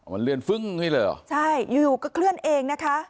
มันเลื่อนฟึ้งอย่างนี้เลยเหรอใช่อยู่ก็เคลื่อนเองนะคะ